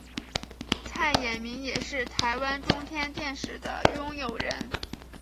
蔡衍明也是台湾中天电视的拥有人。